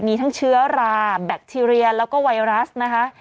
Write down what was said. มีทั้งเชื้อราแบคทีเรียแล้วก็ไวรัสนะคะ